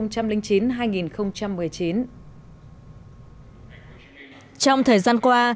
trong thời gian qua